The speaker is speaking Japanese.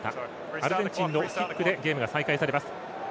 アルゼンチンのキックでゲームが再開されます。